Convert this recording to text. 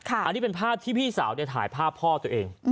อันนี้เป็นภาพที่พี่สาวถ่ายภาพพ่อตัวเอง